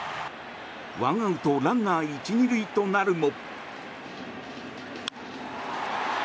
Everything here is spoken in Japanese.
１アウトランナー１・２塁となるも。